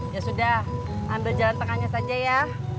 ya sudah ambil jalan tengahnya saja ya